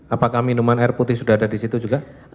apakah minuman air putih sudah ada disitu juga